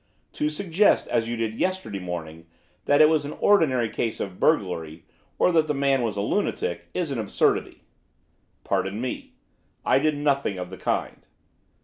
To suggest, as you did yesterday morning, that it was an ordinary case of burglary, or that the man was a lunatic, is an absurdity.' 'Pardon me, I did nothing of the kind.